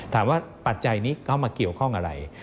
ปัจจัยนี้เข้ามาเกี่ยวข้องอะไร